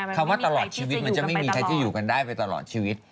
คำว่าตลอดชีวิตมันจะไม่มีใครที่อยู่กันได้ไปตลอดชีวิต